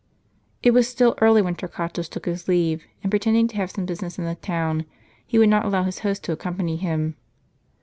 It was still early when Torquatus took his leave, and, pre ^tending to have some business in the town, he would not allow his host to accompany him.